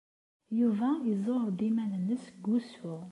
Yuba yezzuɣer-d iman-nnes deg wusu.